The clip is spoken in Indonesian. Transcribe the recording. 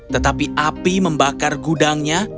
tetapi api membakar gudangnya